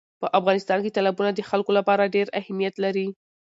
په افغانستان کې تالابونه د خلکو لپاره ډېر اهمیت لري.